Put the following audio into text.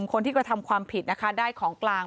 คนที่กระทำความผิดนะคะได้ของกลาง